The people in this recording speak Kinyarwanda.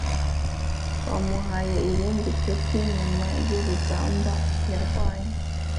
Bamuhaye irindi peti nyuma y’urugamba yarwanye